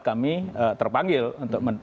kami terpanggil untuk